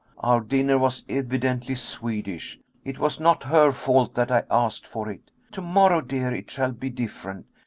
Our dinner was evidently Swedish. It was not her fault that I asked for it. To morrow, dear, it shall be different.